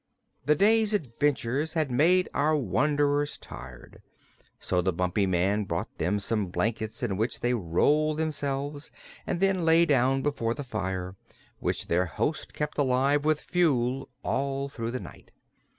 The day's adventures had made our wanderers tired, so the Bumpy Man brought them some blankets in which they rolled themselves and then lay down before the fire, which their host kept alive with fuel all through the night.